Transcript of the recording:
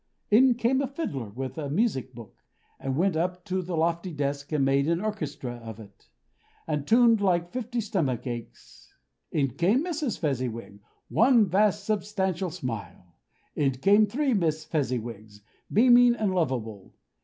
In came a fiddler with a music book, and went up to the lofty desk, and made an orchestra of it, and tuned like fifty stomach aches. In came Mrs. Fezziwig, one vast substantial smile. In came the three Miss Fezziwigs, beaming and lovable.